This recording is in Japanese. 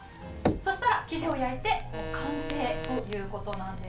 そしたら生地を焼いて完成ということです。